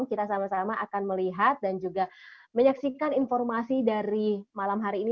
kita sama sama akan melihat dan juga menyaksikan informasi dari malam hari ini